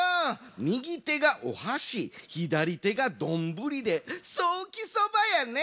みぎてがおはしひだりてがどんぶりでソーキそばやね。